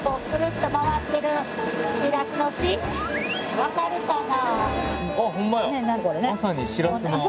分かるかな？